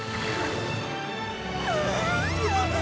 うわ！